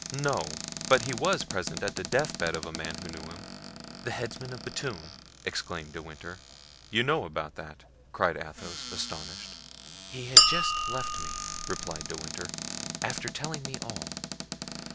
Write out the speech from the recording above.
"No; but he was present at the deathbed of a man who knew him." "The headsman of Bethune?" exclaimed De Winter. "You know about that?" cried Athos, astonished. "He has just left me," replied De Winter, "after telling me all.